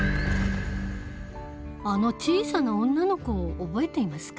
あの小さな女の子を覚えていますか？